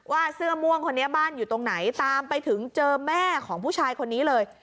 เสื้อม่วงคนนี้บ้านอยู่ตรงไหนตามไปถึงเจอแม่ของผู้ชายคนนี้เลย